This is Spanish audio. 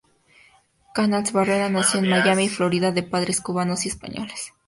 Canals Barrera nació en Miami, Florida de padres cubanos y españoles.